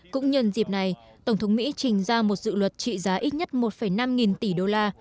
cũng nhân dịp này tổng thống mỹ trình ra một dự luật trị giá ít nhất một năm nghìn tỷ đô la